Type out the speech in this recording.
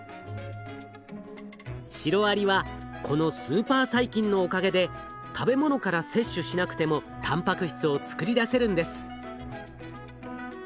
シロアリはこのスーパー細菌のおかげで食べ物から摂取しなくてもたんぱく質を作り出せるんです。